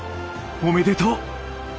おめでとう。